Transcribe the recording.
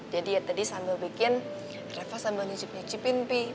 jadi ya tadi sambil bikin reva sambil nyicip nyicipin pi